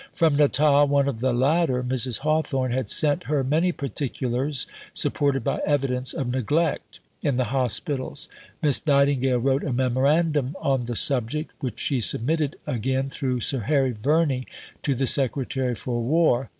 From Natal, one of the latter, Mrs. Hawthorn, had sent her many particulars, supported by evidence, of neglect in the hospitals. Miss Nightingale wrote a memorandum on the subject, which she submitted, again through Sir Harry Verney, to the Secretary for War.